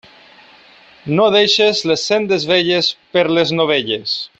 No deixes les sendes velles per les novelles.